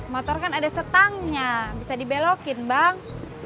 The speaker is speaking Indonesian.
motor kan ada setangnya bisa dibelokin bang